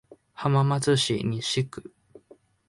浜松市西区